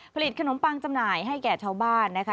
ผลิตขนมปังจำหน่ายให้แก่ชาวบ้านนะคะ